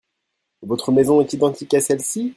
Votre maison est identique à celle-ci ?